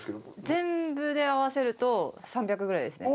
全部で合わせると、３００ぐらいですね。